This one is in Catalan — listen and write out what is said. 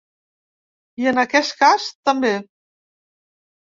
I en aquest cas també.